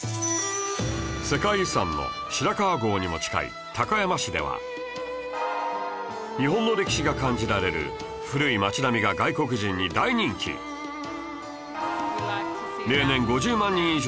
世界遺産の白川郷にも近い高山市では日本の歴史が感じられる古い街並みが外国人に大人気では宇治原さん